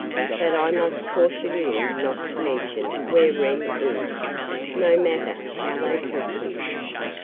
"But I must caution you not to mention where Wren is, no matter how they press you.